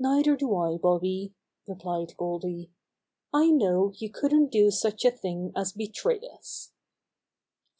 "Neither do I, Bobby," replied Goldy. "I know you couldn't do such a thing as betray us."